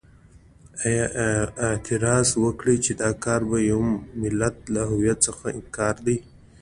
ما اعتراض وکړ چې دا کار د یوه ملت له هویت څخه انکار دی.